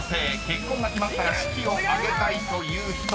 ［結婚が決まったら式を挙げたいという人］